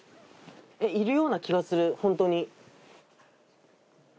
いるような気がするホントに。